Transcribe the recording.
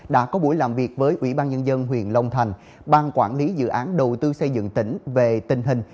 đã có buổi làm việc với ubnd huyện long thành bang quản lý dự án đầu tư xây dựng tỉnh về tình hình